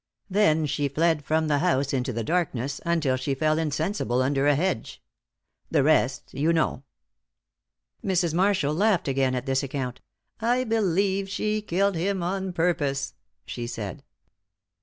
Then she fled from the house into the darkness until she fell insensible under a hedge. The rest you know." Mrs. Marshall laughed again at this account. "I believe she killed him on purpose," she said.